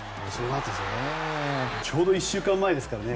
ちょうど１週間前ですからね